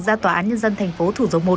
ra tòa án nhân dân thành phố thủ dầu một